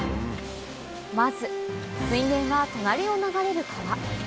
まず水源は隣を流れる川